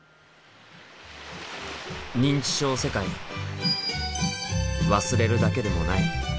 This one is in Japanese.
認知症世界忘れるだけでもない。